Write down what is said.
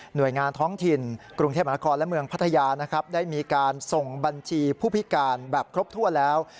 โดยงานท้องถิ่นกรุงเทพมหานครและเมืองพัทยานะครับได้มีการส่งบัญชีผู้พิการแบบครบถ้วนแล้ว